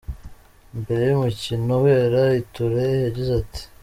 Mbere y'umukino ubera i Turin yagize ati:.